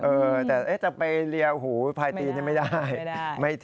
เออแต่จะไปเรียหูพายตีนี่ไม่ได้